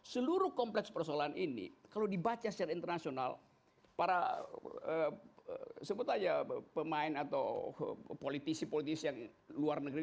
seluruh kompleks persoalan ini kalau dibaca secara internasional para sebut aja pemain atau politisi politisi yang luar negeri